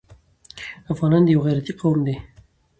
افغانان يو غيرتي قوم دی.